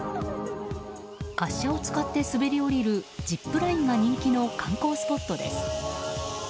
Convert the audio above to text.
滑車を使って滑り降りるジップラインが人気の観光スポットです。